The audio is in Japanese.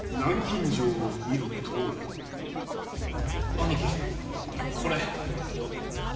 兄貴これ。